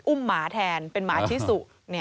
หมาแทนเป็นหมาชิสุ